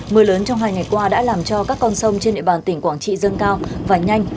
mưa lớn trong hai ngày qua đã làm cho các con sông trên địa bàn tỉnh quảng trị dâng cao và nhanh